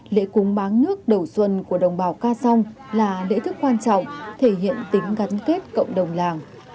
lễ cúng bán nước đầu xuân của đồng bào ca song là lễ thức quan trọng thể hiện tính gắn kết cộng đồng làng